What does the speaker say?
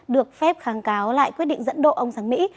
được phép kháng cáo lại quyết định dẫn độ ông sang mỹ